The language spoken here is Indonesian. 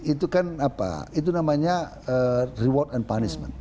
itu kan apa itu namanya reward and punishment